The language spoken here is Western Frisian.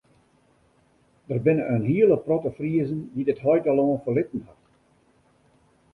Der binne in hiele protte Friezen dy't it heitelân ferlitten ha.